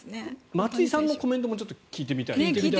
松井さんのコメントも聞いてみたい。